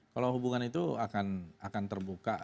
kalau hubungan itu akan terbuka